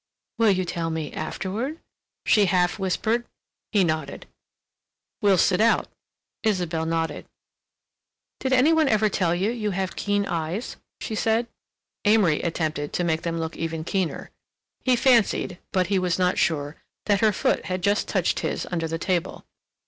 "Will you tell me—afterward?" she half whispered. He nodded. "We'll sit out." Isabelle nodded. "Did any one ever tell you, you have keen eyes?" she said. Amory attempted to make them look even keener. He fancied, but he was not sure, that her foot had just touched his under the table.